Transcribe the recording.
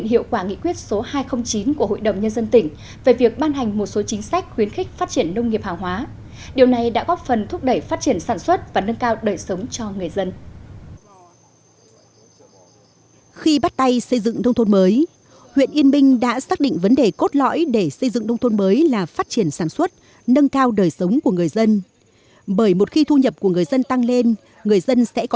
theo nghị quyết hai trăm linh chín của hội đồng nhân dân tỉnh hà giang số vốn được vay anh và gia đình đã mở rộng quy mô chuồng trại phát triển mô hình sản xuất theo hướng vac